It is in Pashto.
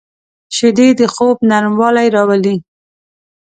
شیدې د خوب نرموالی راولي